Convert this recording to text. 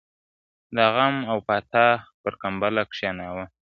• د غم او پاتا پر کمبله کښېناوه -